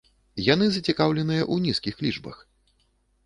Яны зацікаўленыя ў нізкіх лічбах.